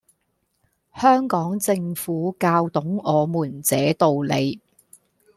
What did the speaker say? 香港政府教懂我們這道理